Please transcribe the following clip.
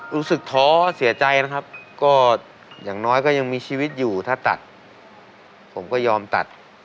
ท้อเสียใจนะครับก็อย่างน้อยก็ยังมีชีวิตอยู่ถ้าตัดผมก็ยอมตัด